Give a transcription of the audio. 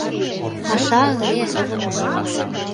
Паша ыле...